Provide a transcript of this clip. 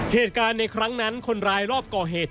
เหตุการณ์ในครั้งนั้นคนร้ายรอบก่อเหตุ